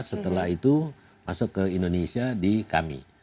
setelah itu masuk ke indonesia di kami